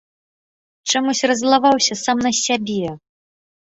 Чамусь раззлаваўся сам на сябе.